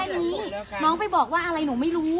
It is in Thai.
ครั้งที่สองเปลี่ยนกระทะแค่นี้